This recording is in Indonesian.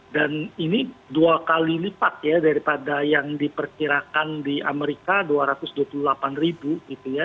dan ini dua kali lipat ya daripada yang diperkirakan di amerika dua ratus dua puluh delapan ribu gitu ya